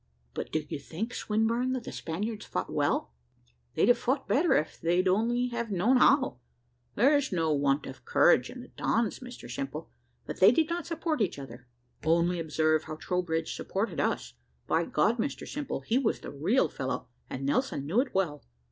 "But do you think, Swinburne, that the Spaniards fought well?" "They'd have fought better, if they'd only have known how. There's no want of courage in the Dons, Mr Simple, but they did not support each other. Only observe how Troubridge supported us. By God, Mr Simple, he was the real fellow, and Nelson knew it well.